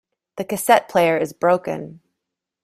The cassette player is broken.